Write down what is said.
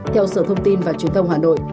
theo sở thông tin và truyền thông hà nội